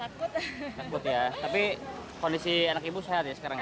tapi kondisi anak ibu sehat ya sekarang